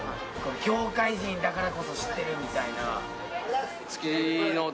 業界人だからこそ知ってるみたいな。